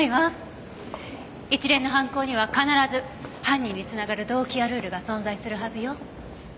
一連の犯行には必ず犯人につながる動機やルールが存在するはずよ。